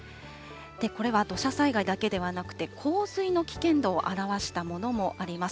これは土砂災害だけではなくて、洪水の危険度を表したものもあります。